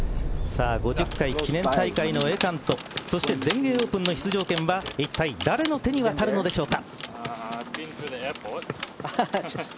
５０回記念大会の栄冠とそして全英オープンへの出場権は一体誰の手に渡るのでしょうか。